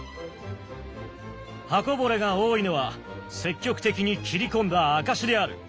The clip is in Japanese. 刃こぼれが多いのは積極的に斬り込んだ証しである。